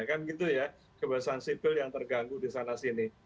kan gitu ya kebebasan sipil yang terganggu di sana sini